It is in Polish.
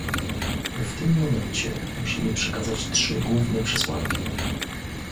W tym momencie musimy przekazać trzy główne przesłanki